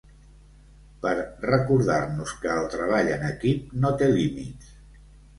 Per recordar-nos que el treball en equip no té límits.